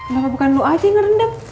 kenapa bukan lo aja yang ngerendam